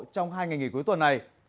trong hai ngày nghỉ cuối tuần